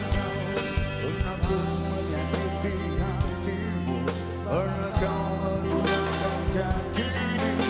cukup cokup kaya dan bisa jadi